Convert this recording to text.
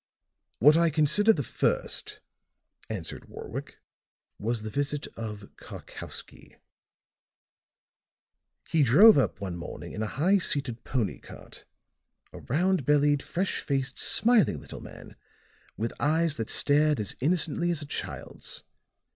"What I consider the first," answered Warwick, "was the visit of Karkowsky. He drove up one morning in a high seated pony cart a round bellied, fresh faced, smiling little man with eyes that stared as innocently as a child's.